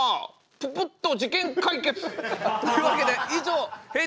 ププッと事件解決！というわけで以上ＨＥＹ！